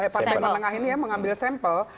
partai menengah ini ya mengambil sampel